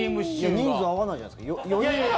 いや人数合わないじゃないですか。